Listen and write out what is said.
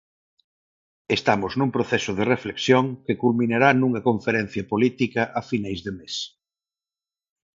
Estamos nun proceso de reflexión que culminará nunha conferencia política a finais de mes.